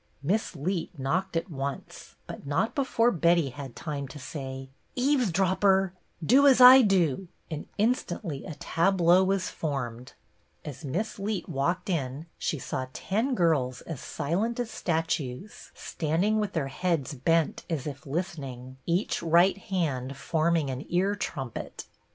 Miss Leet knocked at once, but not before Betty had time to say, " Eavesdropper — do as I HER FIRST RECEPTION 115 do!" and instantly a tableau was formed. As Miss Leet walked in she saw ten girls as silent as statues, standing with heads bent as if listening, each right hand forming an ear trumpet.